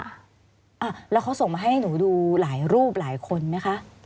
อ่ะแล้วเขาส่งมาให้หนูดูหลายรูปหลายคนไหมคะ